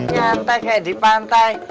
cantai kayak di pantai